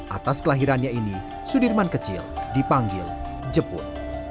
atas kelahirannya ini sudirman kecil dipanggil jepun